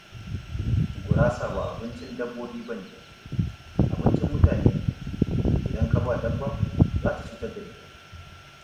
Safaga was a marine port connected by a regular cruise shuttle service line.